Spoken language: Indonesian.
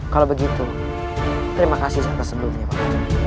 kalau begitu terima kasih sehat tersebut